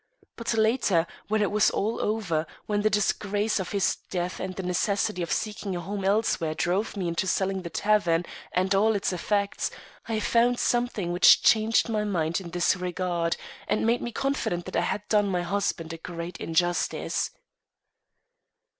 But later, when it was all over, when the disgrace of his death and the necessity of seeking a home elsewhere drove me into selling the tavern and all its effects, I found something which changed my mind in this regard, and made me confident that I had done my husband a great injustice."